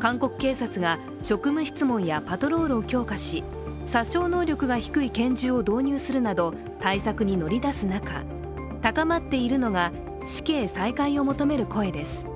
韓国警察が職務質問やパトロールを強化し、殺傷能力が低い拳銃を導入するなど対策に乗り出す中高まっているのが死刑再開を求める声です。